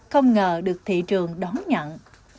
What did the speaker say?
không ngờ được thị trường đón nhận